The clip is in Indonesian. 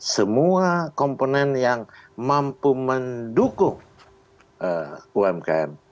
semua komponen yang mampu mendukung umkm